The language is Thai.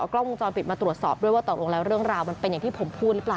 ขอบคุณครับ